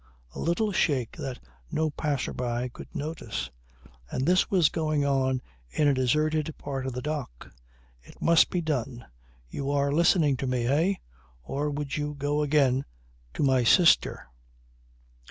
A little shake that no passer by could notice; and this was going on in a deserted part of the dock. "It must be done. You are listening to me eh? or would you go again to my sister?"